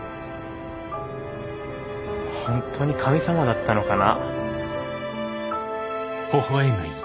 本当に神様だったのかな。